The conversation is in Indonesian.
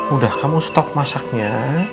udah kamu stop masaknya